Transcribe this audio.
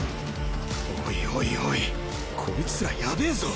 おいおいおいコイツらやべえぞ。